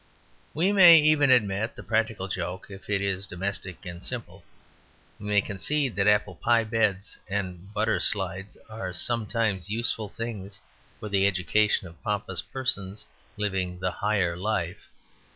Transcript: We may even admit the practical joke if it is domestic and simple. We may concede that apple pie beds and butter slides are sometimes useful things for the education of pompous persons living the Higher Life.